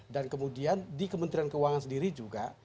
dan kemudian di kementerian keuangan sendiri juga